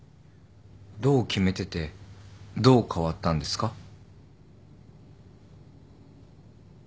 どう決めててどう変わったんですか？